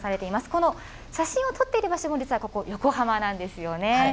この写真を撮っている場所も、実はここ、横浜なんですよね。